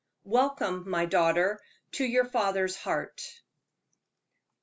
"WELCOME, MY DAUGHTER, TO YOUR FATHER'S HEART."